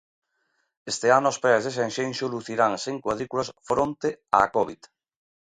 Este ano as praias de Sanxenxo lucirán sen cuadrículas fronte á covid.